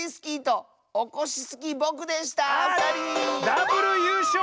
ダブルゆうしょう！